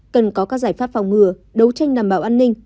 cần có các giải pháp phòng ngừa đấu tranh đảm bảo an ninh